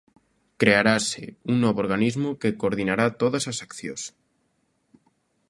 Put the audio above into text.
Crearase un novo organismo que coordinará todas as accións.